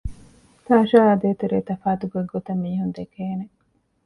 ތާޝާއާއި ދޭތެރޭ ތަފާތު ގޮތްގޮތަށް މީހުން ދެކޭނެ